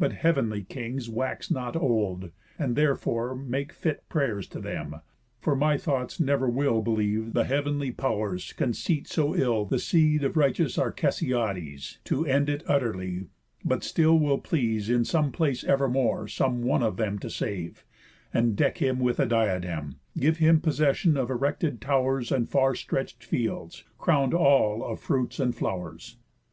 But heav'n kings wax not old, and therefore make Fit pray'rs to them; for my thoughts never will Believe the heav'nly Pow'rs conceit so ill The seed of righteous Arcesiades, To end it utterly, but still will please In some place evermore some one of them To save, and deck him with a diadem, Give him possession of erected tow'rs, And far stretch'd fields, crown'd all of fruits and flowr's."